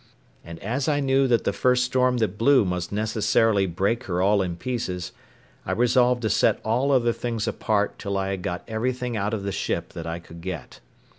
And as I knew that the first storm that blew must necessarily break her all in pieces, I resolved to set all other things apart till I had got everything out of the ship that I could get.